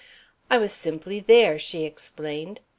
"I was simply there," she explained.